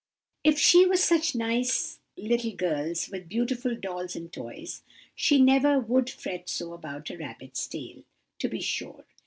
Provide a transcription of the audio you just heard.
"'If she was such nice little girls with beautiful dolls and toys, she never would fret so about a rabbit's tail, to be sure!